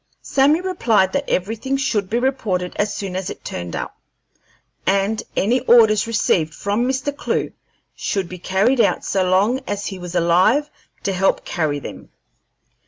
Sammy replied that everything should he reported as soon as it turned up, and any orders received from Mr. Clewe should be carried out so long as he was alive to help carry them.